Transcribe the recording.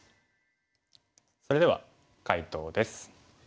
それでは解答です。